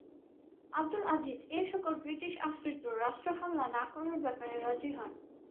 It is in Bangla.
আবদুল আজিজ এসকল ব্রিটিশ আশ্রিত রাষ্ট্র হামলা না করার ব্যাপারে রাজি হন।